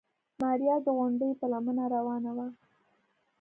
ماريا د غونډۍ په لمنه روانه وه.